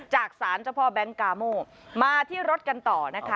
จากศาลเจ้าพ่อแบงค์กาโมมาที่รถกันต่อนะคะ